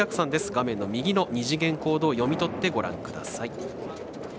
画面の右の２次元コードを読み取ってご覧ください。